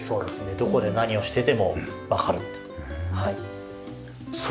どこで何をしててもわかるっていう。